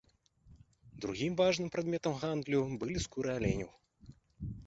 Другім важным прадметам гандлю былі скуры аленяў.